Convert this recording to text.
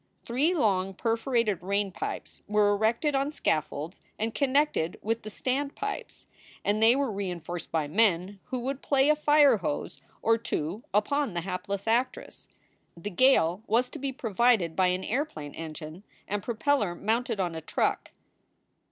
Three long perforated rain pipes were erected on scaffolds and connected with the standpipes, and they were reinforced by men who would play a fire hose or two upon the hapless actress. The gale was to be provided by an airplane engine and propeller mounted on a truck.